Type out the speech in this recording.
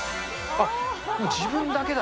あっ、自分だけだ。